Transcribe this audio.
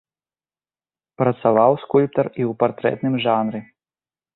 Працаваў скульптар і ў партрэтным жанры.